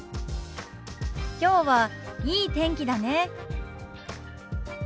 きょうはいい天気だね。